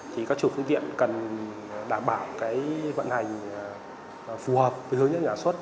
thì các chủ phương tiện cần đảm bảo cái vận hành phù hợp với hướng nhất nhà xuất